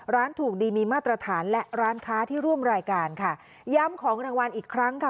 ร้านถูกดีมีมาตรฐานและร้านค้าที่ร่วมรายการค่ะย้ำของรางวัลอีกครั้งค่ะ